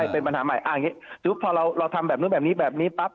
เป็นปัญหาใหม่พอเราทำแบบนี้แบบนี้